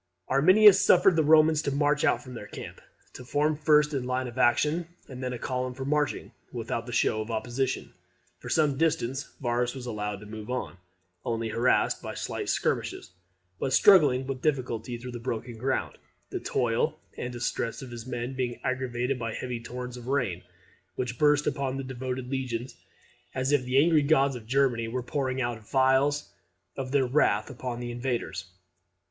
] Arminius suffered the Romans to march out from their camp, to form first in line for action, and then in column for marching, without the show of opposition. For some distance Varus was allowed to move on, only harassed by slight skirmishes, but struggling with difficulty through the broken ground; the toil and distress of his men being aggravated by heavy torrents of rain, which burst upon the devoted legions as if the angry gods of Germany were pouring out the vials of their wrath upon the invaders.